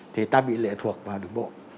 thì ta bị lệ thuộc vào đường bộ